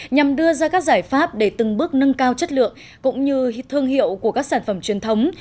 nhằm đưa ra các giải pháp để từng bước nâng cao chất lượng cũng như thương hiệu của các sản phẩm truyền thống